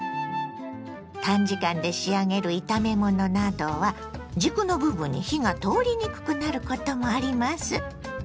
短時間で仕上げる炒め物などは軸の部分に火が通りにくくなることもあります。